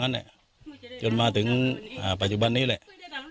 นั้นเนี่ยจนมาถึงอ่าปัจจุบันนี้แหละ